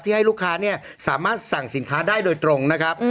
ให้ลูกค้าสามารถสั่งสินค้าได้โดยตรงนะครับ